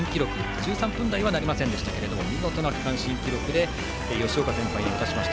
１３分台はなりませんでしたが見事な区間新記録で吉岡先輩に渡しました。